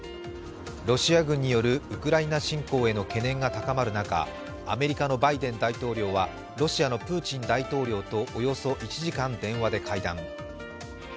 ロシア軍によるウクライナ侵攻への懸念が高まる中、アメリカのバイデン大統領はロシアのプーチン大統領とおよそ１時間、電話で会談。